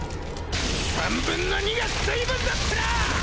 ３分の２が水分だってな！！